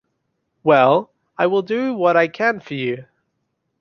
Well, I will do what I can for you.